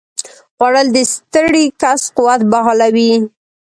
خوړل د ستړي کس قوت بحالوي